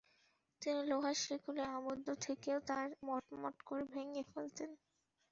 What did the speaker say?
তিনি লোহার শেকলে আবদ্ধ থেকেও তার মট্মট্ করে ভেঙে ফেলতেন।